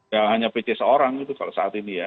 ya hanya pc seorang itu kalau saat ini ya